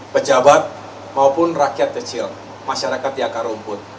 pejabat maupun rakyat kecil masyarakat di akar rumput